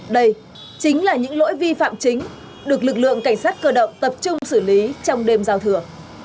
đây chính là những lỗi vi phạm chính được lực lượng cảnh sát cơ động tập trung xử lý trong đêm giao thừa